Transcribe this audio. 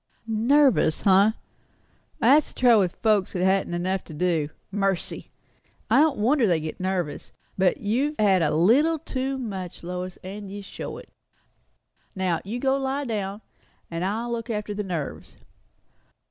Nervous, eh? That's the trouble o' folks that haven't enough to do. Mercy! I don't wonder they get nervous. But you've had a little too much, Lois, and you show it. Now, you go and lie down. I'll look after the nerves."